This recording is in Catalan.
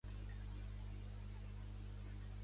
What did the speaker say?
També pot portar adjunts oracionals.